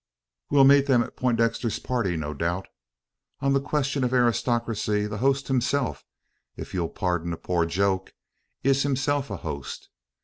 We'll meet them at Poindexter's party, no doubt. On the question of aristocracy, the host himself, if you'll pardon a poor joke, is himself a host.